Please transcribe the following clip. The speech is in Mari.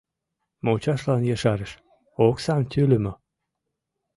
Мучашлан ешарыш: — Оксам тӱлымӧ.